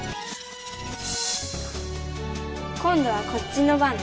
今度はこっちの番ね。